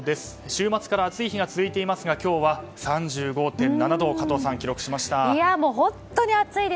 週末から暑い日が続いていますが今日は３５．７度を記録しました加藤さん。